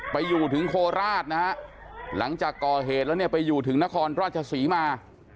ไปอยู่ถึงโคราชนะฮะหลังจากก่อเหตุแล้วเนี่ยไปอยู่ถึงนครราชศรีมา